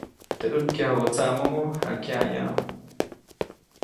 Teʼ ʼäjkyajubä tsaʼmomo, jakyaʼyaʼuŋ.